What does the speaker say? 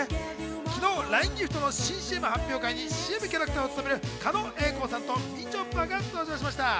昨日、ＬＩＮＥギフトの新ＣＭ発表会にＣＭキャラクターを務める狩野英孝さんとみちょぱが登場しました。